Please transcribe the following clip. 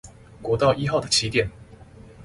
國道一號的起點